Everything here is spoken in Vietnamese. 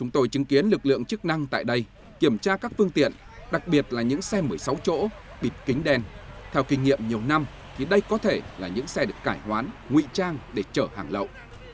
theo kinh nghiệm nhiều năm thì đây có thể là những xe được cải hoán nguy trang để chở hàng lậu